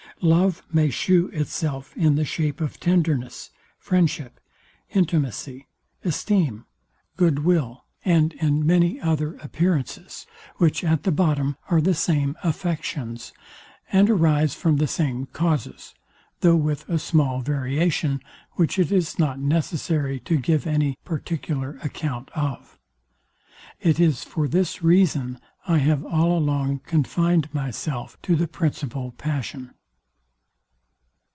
Love may shew itself in the shape of tenderness, friendship, intimacy, esteem, good will, and in many other appearances; which at the bottom are the same affections; and arise from the same causes, though with a small variation, which it is not necessary to give any particular account of. It is for this reason I have all along confined myself to the principal passion.